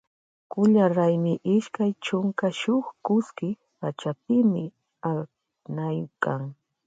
Kulla raymi ishkay chunka shuk kuski pachapimi aknaykan.